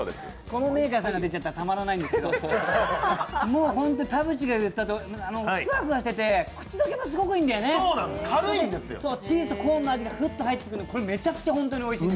このメーカーさんが出てたらたまらないんですけど、本当ふわふわしてて口溶けもすごくいいんだよね、チーズとコーンの味がふっと入ってきて、めちゃくちゃホントにおいしい。